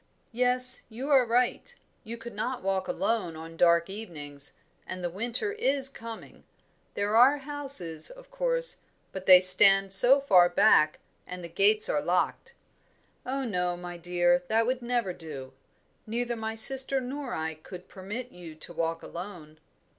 "Yes, you are right. You could not walk alone on dark evenings, and the winter is coming. There are houses, of course, but they stand so far back, and the gates are locked. Oh, no, my dear, that would never do. Neither my sister nor I could permit you to walk alone."